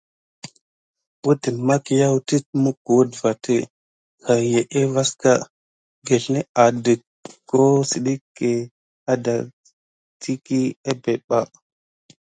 Tutine mekéyu dekuh bo rarié aman gukné tat kudmie vi siga adati abek.